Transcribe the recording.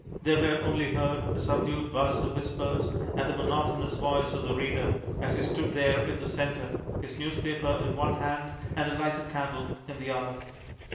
There were only heard a subdued buzz of whispers and the monotonous voice of the reader, as he stood there in the center, his newspaper in one hand and a lighted candle in the other.